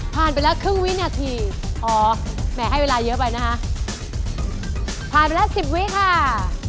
ผ่านไปแล้วครึ่งวินาทีอ๋อแหมให้เวลาเยอะไปนะคะผ่านไปแล้วสิบวิค่ะ